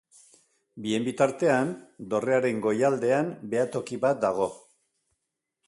Bien bitartean, dorrearen goialdean behatoki bat dago.